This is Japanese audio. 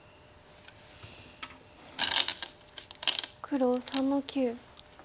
黒３の九。